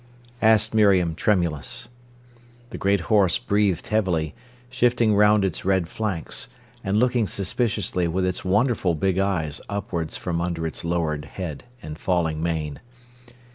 asked Miriam, tremulous. The great horse breathed heavily, shifting round its red flanks, and looking suspiciously with its wonderful big eyes upwards from under its lowered head and falling mane.